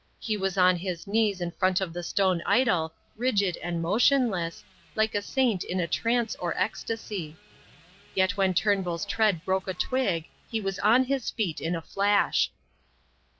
He was on his knees in front of the stone idol, rigid and motionless, like a saint in a trance or ecstasy. Yet when Turnbull's tread broke a twig, he was on his feet in a flash.